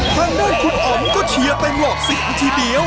ทางด้านคุณอ๋อมก็เชียร์เต็มหลอก๑๐ทีเดียว